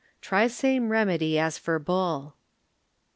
Try same remedy as for bull.